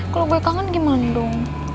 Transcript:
kalau beli kangen gimana dong